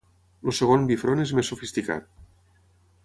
El segon bifront és més sofisticat.